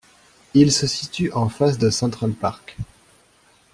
Il se situe en face de Central Park.